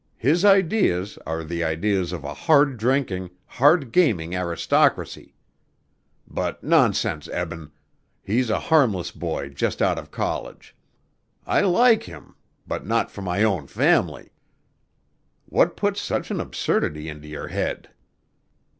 His ideas are the ideas of a hard drinking, hard gaming aristocracy. But nonsense, Eben, he's a harmless boy just out of college. I like him but not for my own family. What put such an absurdity into your head?"